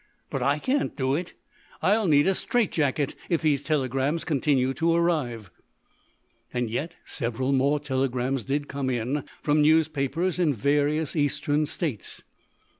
But I can't do it. I'll need a strait jacket, if these telegrams continue to arrive!" Yet several more telegrams did come in, from newspapers in various Eastern states.